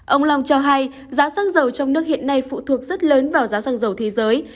ông long cho hay giá xăng dầu trong nước hiện nay phụ thuộc rất lớn vào giá xăng dầu thế giới